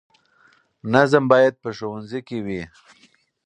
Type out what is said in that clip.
نظم باید په ښوونځي کې وي.